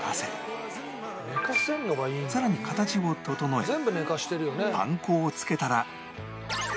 さらに形を整えパン粉を付けたら